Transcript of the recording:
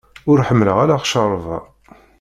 Ur ḥemmleɣ ara ccerba.